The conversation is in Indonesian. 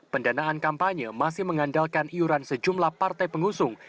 pendanaan kampanye masih mengandalkan iuran sejumlah partai pengusung